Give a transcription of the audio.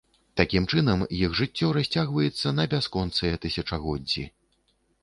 Такім чынам, іх жыццё расцягваецца на бясконцыя тысячагоддзі.